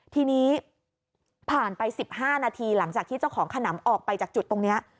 ทีนี้ผ่านไป๑๕นาทีหลังจากที่เจ้าของขนำออกไปจากจุดตรงนี้